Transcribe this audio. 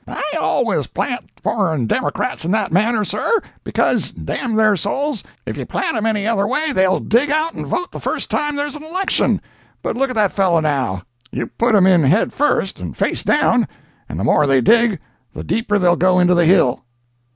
"I always plant them foreign Democrats in that manner, sir, because, damn their souls, if you plant 'em any other way they'll dig out and vote the first time there's an election—but look at that fellow, now—you put 'em in head first and face down and the more they dig the deeper they'll go into the hill."